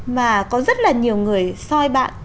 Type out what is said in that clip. mà có rất là nhiều người soi bạn